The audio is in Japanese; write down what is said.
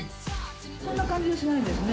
そんな感じはしないですね。